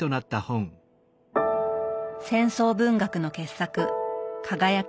戦争文学の傑作